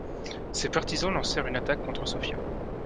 Ses partisans lancèrent une attaque contre Sofia.